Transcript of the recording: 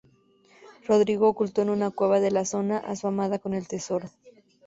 Rodrigo ocultó en una cueva de la zona a su amada con el Tesoro.